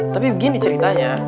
tapi begini ceritanya